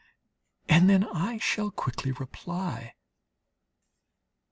And then I shall quickly reply.